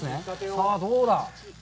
さあ、どうだ。